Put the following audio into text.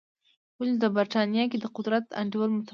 ولې د برېټانیا کې د قدرت انډول متفاوت و.